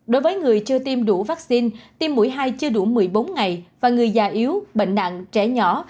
đối với người chưa tiêm đủ vaccine tim mũi hai chưa đủ một mươi bốn ngày và người già yếu bệnh nặng trẻ nhỏ